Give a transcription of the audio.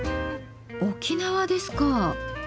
沖縄ですか。